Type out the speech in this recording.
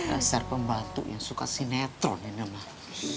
rasanya pembantu yang suka sinetron ya namanya